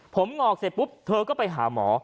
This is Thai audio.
ผมงอกเสร็จปุ๊บเธอก็ไปหาหมอ